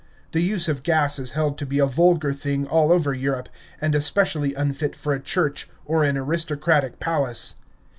The use of gas is held to be a vulgar thing all over Europe, and especially unfit for a church or an aristocratic palace.